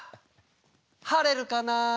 「晴れるかな」